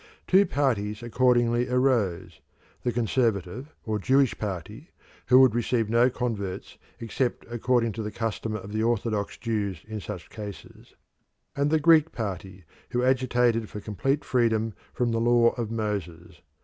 Two parties accordingly arose the conservative or Jewish party, who would receive no converts except according to the custom of the orthodox Jews in such cases, and the Greek party, who agitated for complete freedom from the law of Moses.